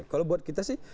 kalau buat kita sih